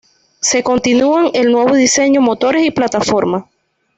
Se continúan el nuevo diseño, motores y plataforma.